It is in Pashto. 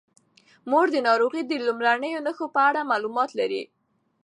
مور د ناروغۍ د لومړنیو نښو په اړه معلومات لري.